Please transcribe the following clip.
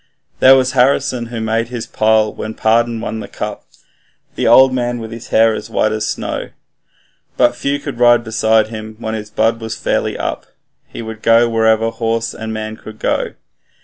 There was Harrison, who made his pile when Pardon won the cup, The old man with his hair as white as snow; But few could ride beside him when his blood was fairly up He would go wherever horse and man could go.